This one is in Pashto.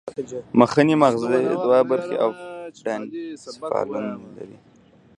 مخنی مغزه دوه برخې او ډاینسفالون لري